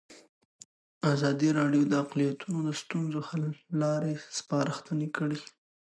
ازادي راډیو د اقلیتونه د ستونزو حل لارې سپارښتنې کړي.